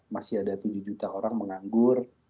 masih ada tujuh juta orang menganggur